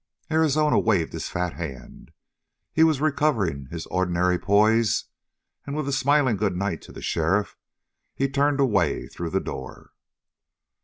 Arizona waved his fat hand. He was recovering his ordinary poise, and with a smiling good night to the sheriff, he turned away through the door.